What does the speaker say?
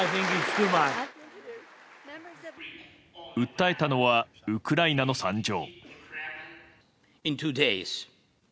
訴えたのはウクライナの惨状。